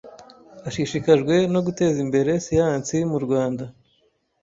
ashishikajwe no guteza imbere siyansimurwanda